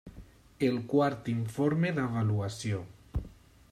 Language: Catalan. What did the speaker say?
El Quart Informe d'Avaluació.